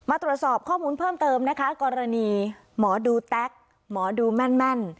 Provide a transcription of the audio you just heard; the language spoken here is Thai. ตรวจสอบข้อมูลเพิ่มเติมนะคะกรณีหมอดูแต๊กหมอดูแม่น